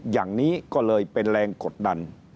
อย่างนี้ก็เลยเป็นแรงกดดัน